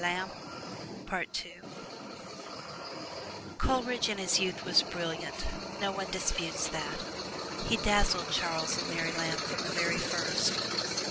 Coleridge in his youth was brilliant no one disputes that. He dazzled Charles and Mary Lamb from the very first.